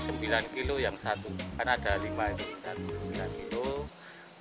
hampir sembilan kg yang satu kan ada lima yang satu sembilan kg